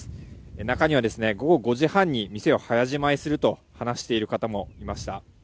中には、午後５時半に店を早じまいすると話している方もいました。